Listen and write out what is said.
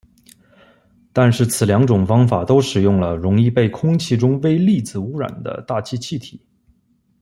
但是此两种方法都使用了容易被空气中微粒子污染的大气气体。